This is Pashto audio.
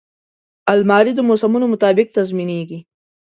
الماري د موسمونو مطابق تنظیمېږي